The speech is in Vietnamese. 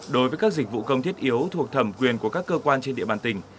đối với các dịch vụ công thiết yếu thuộc thẩm quyền của các cơ quan trên địa bàn tỉnh